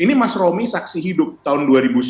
ini mas romi saksi hidup tahun dua ribu sembilan